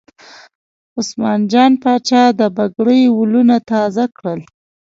عثمان جان پاچا د پګړۍ ولونه تازه کړل.